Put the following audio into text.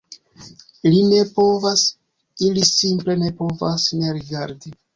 Ili ne povas, ili simple ne povas ne rigardi